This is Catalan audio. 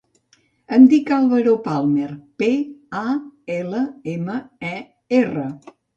Em dic Álvaro Palmer: pe, a, ela, ema, e, erra.